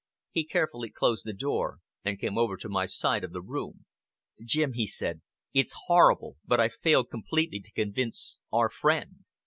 He carefully closed the door, and came over to my side of the room. "Jim," he said, "it's horrible, but I've failed completely to convince our friend.